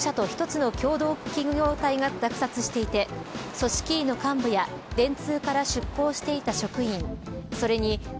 この事業は９社と１つの共同企業体が落札していて組織委の幹部や電通から出向していた職員